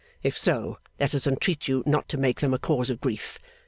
If so, let us entreat you not to make them a cause of grief.